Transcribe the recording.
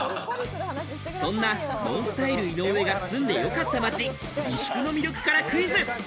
そんなＮＯＮＳＴＹＬＥ・井上が住んで良かった街、三宿の魅力からクイズ。